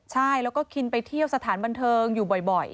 ใช่แล้วก็คินไปเที่ยวสถานบันเทิงอยู่บ่อย